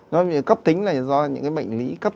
nói về cấp tính là do những cái bệnh lý